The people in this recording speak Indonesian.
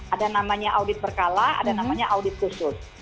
ada namanya audit berkala ada namanya audit khusus